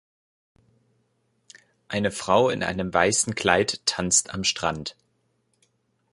Eine Frau in einem weißen Kleid tanzt am Strand.